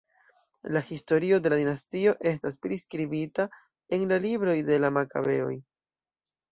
La historio de la dinastio estas priskribita en la Libroj de la Makabeoj.